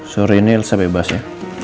suri ini saya bebas ya